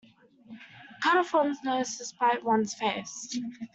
Cut off one's nose to spite one's face.